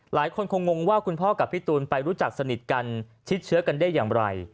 หลายคนคงงว่าคุณพ่อกับพี่ตูนไปรู้จักสนิทกันชิดเชื้อกันได้อย่างไร